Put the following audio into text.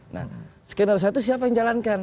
nah skenario satu siapa yang jalan